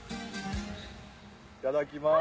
いただきます。